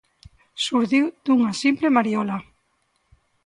Xurdiu dunha simple mariola.